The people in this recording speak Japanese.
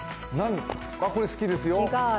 これ、好きですよ。